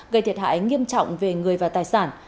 gây thiệt hại nghiêm trọng về người và tài sản